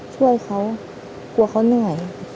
ช่วยเขากลัวเขาเหนื่อย